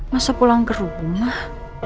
masa pulang ke rumah